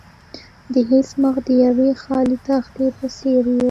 د هغه مخ د یوې خالي تختې په څیر و